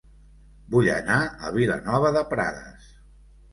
Vull anar a Vilanova de Prades